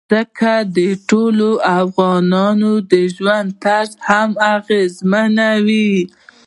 ځمکه د ټولو افغانانو د ژوند طرز هم اغېزمنوي.